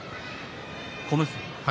小結。